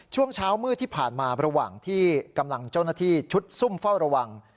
ช่วงเช้ามืดที่ผ่านมาระหว่างที่กำลังเจ้าหน้าที่ชุดซุ่มเฝ้าระวัง